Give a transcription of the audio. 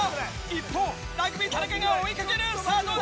一方ラグビー田中が追いかけるさぁどうだ？